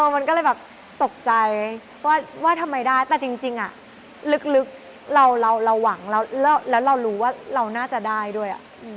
มันก็เลยแบบตกใจว่าทำไมได้แต่จริงลึกเราหวังแล้วเรารู้ว่าเราน่าจะได้ด้วย